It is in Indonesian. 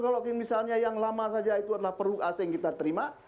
kalau misalnya yang lama saja itu adalah peruk asing kita terima